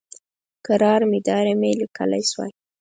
قرار میدارم یې لیکلی شوای.